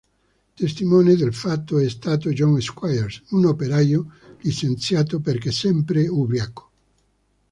Testimone del fatto è stato John Squires, un operaio licenziato perché sempre ubriaco.